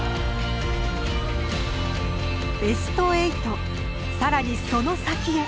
ベスト８更にその先へ。